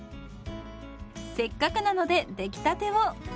せっかくなので出来たてを！